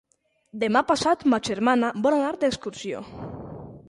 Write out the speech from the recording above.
Demà passat ma germana vol anar d'excursió.